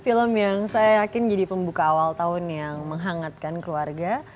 film yang saya yakin jadi pembuka awal tahun yang menghangatkan keluarga